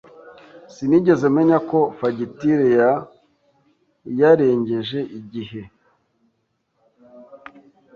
Sinigeze menya ko fagitire ya yarengeje igihe.